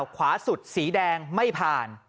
ขวาสุดสีแดงไม่ผ่าน